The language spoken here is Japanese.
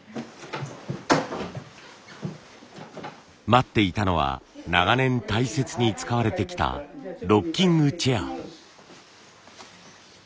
待っていたのは長年大切に使われてきたロッキングチェア。